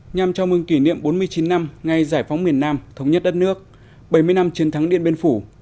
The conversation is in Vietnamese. nhằm chào mừng kỷ niệm bốn mươi chín năm ngày giải phóng miền nam thống nhất đất nước bảy mươi năm chiến thắng điện biên phủ